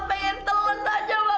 rasanya ella pengen telan aja bang ipan